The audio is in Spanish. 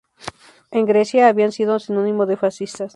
En Grecia, habían sido sinónimo de fascistas...